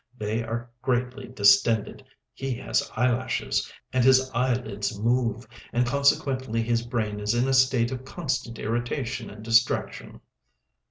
They are greatly distended, he has eyelashes, and his eyelids move, and consequently his brain is in a state of constant irritation and distraction."